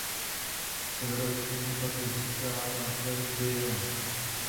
Severovýchodně pak leží kráter Biela.